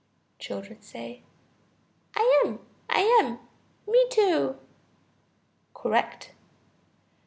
Children. I am, I am. Me too (correct).